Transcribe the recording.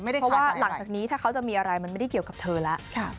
เพราะว่าหลังจากนี้ถ้าเขาจะมีอะไรมันไม่ได้เกี่ยวกับเธอแล้ว